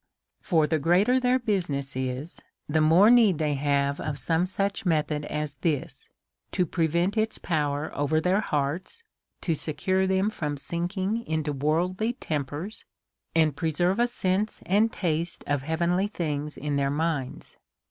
For the greater their business is, the more need tliey have of some such method as this to prevent its power over their hearts, to secure them from sinking into worldly tempers, and preserve a sense and taste of heavenly tilings in their minds.